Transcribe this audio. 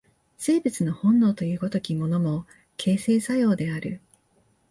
生物の本能という如きものも、形成作用である。